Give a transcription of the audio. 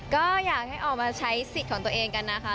ก็อยากให้ออกมาใช้สิทธิ์ของตัวเองกันนะคะ